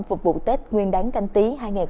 phục vụ tết nguyên đáng canh tí hai nghìn hai mươi